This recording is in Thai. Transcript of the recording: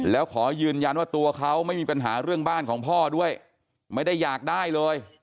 แล้วขอยืนยันว่าตัวเขาไม่มีปัญหาเรื่องบ้านของพ่อด้วยไม่ได้อยากได้เลย